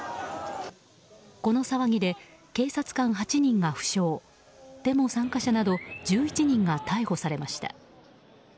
この騒ぎで警察官８人が負傷デモ参加者など１１人が逮捕されました。